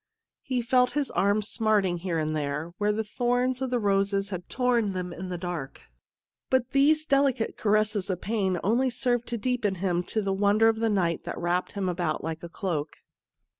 He felt his arms smarting here and there, where the thorns of the roses had torn them in the dark, but these delicate caresses of pain only served to deepen to him the wonder of the night that wrapped him about like a cloak.